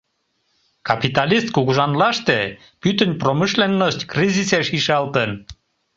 — Капиталист кугыжанлаште пӱтынь промышленность кризисеш ишалтын.